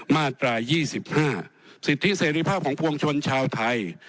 มาตรา๒๕สิทธิเสรีภาพของปวงชนชาวไทย